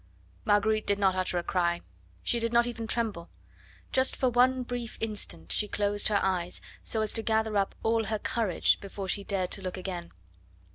Marguerite did not utter a cry; she did not even tremble. Just for one brief instant she closed her eyes, so as to gather up all her courage before she dared to look again.